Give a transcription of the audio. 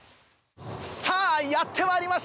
さぁやってまいりました！